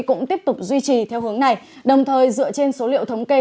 cũng tiếp tục duy trì theo hướng này đồng thời dựa trên số liệu thống kê